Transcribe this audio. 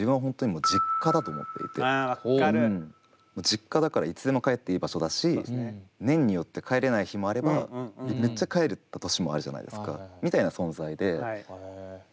実家だからいつでも帰っていい場所だし年によって帰れない日もあればめっちゃ帰れた年もあるじゃないですかみたいな存在で。